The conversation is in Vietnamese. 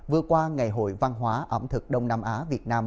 vừa qua ngày hội văn hóa ẩm thực đông nam á việt nam